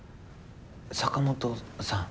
坂元さん。